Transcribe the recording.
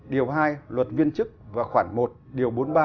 điều hai luật viên chức và khoản một điều bốn mươi ba